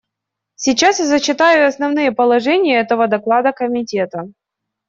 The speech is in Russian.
Сейчас я зачитаю основные положения этого доклада Комитета.